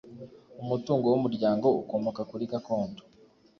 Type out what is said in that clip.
umutungo w umuryango ukomoka ku rigakondo.